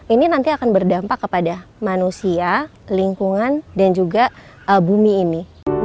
ini nanti akan berdampak kepada manusia lingkungan dan juga bumi ini